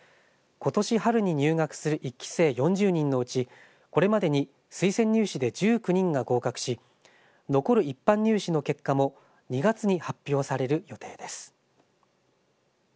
ことし春に入学する１期生４０人のうちこれまでに推薦入試で１９人が合格し残る一般入試の結果も２月に発表される予定です。